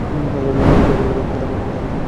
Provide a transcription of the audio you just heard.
Logic ব্যবহার করার ক্ষমতা সবার মধ্যেই আছে।